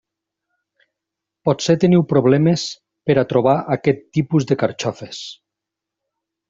Potser teniu problemes per a trobar aquest tipus de carxofes.